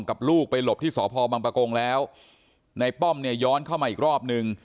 ลูกไปหลบที่สพบังปะโกงแล้วในป้อมเนี่ยย้อนเข้ามาอีกรอบนึง